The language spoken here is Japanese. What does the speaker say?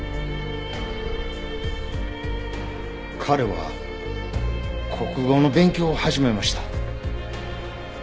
彼は国語の勉強を始めました。